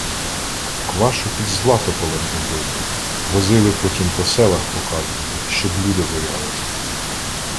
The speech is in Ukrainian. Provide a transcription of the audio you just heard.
Квашу під Златополем убили — возили потім по селах показувати, щоб люди боялися.